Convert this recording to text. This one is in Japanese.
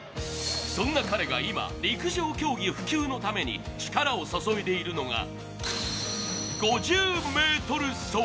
そんな彼が今、陸上競技普及のために力を注いでいるのが５０ｍ走。